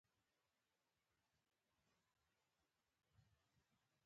ورته مې وویل: رښتیا هم، پوځیان اړ دي.